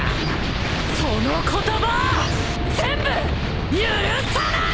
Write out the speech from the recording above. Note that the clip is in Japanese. その言葉全部許さない！